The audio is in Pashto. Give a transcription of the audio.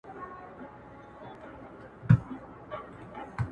چي زه به څرنگه و غېږ ته د جانان ورځمه.